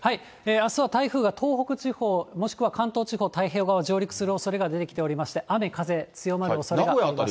あすは台風が東北地方、もしくは関東地方、太平洋側を上陸するおそれが出てきておりまして、雨、風、強まるおそれがあります。